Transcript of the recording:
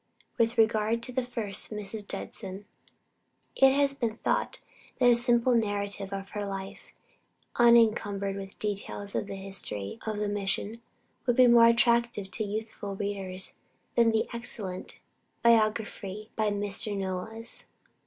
With regard to the first Mrs. Judson, it has been thought that a simple narrative of her life, unencumbered with details of the history of the mission, would be more attractive to youthful readers than the excellent biography by Mr. Knowles.